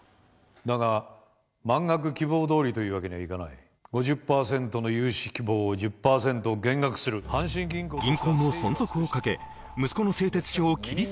だが満額希望どおりというわけにはいかない５０％の融資希望を１０％減額する融資の撤回というおそれもあります